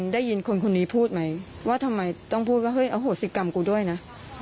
ได้ยินคนคนนี้พูดไหมว่าทำไมต้องพูดว่าเฮ้ยอโหสิกรรมกูด้วยนะ